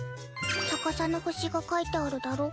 逆さの星が描いてあるだろ。